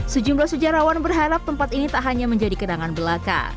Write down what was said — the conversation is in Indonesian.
sejumlah sejarawan berharap tempat ini tak hanya menjadi kenangan belaka